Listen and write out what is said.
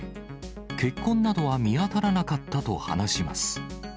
血痕などは見当たらなかったと話します。